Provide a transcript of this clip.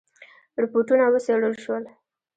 رپوټونه وڅېړل شول.